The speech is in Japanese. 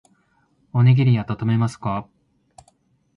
おにぎりあたためますか。